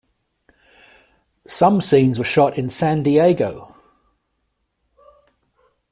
Some scenes were shot in San Diego.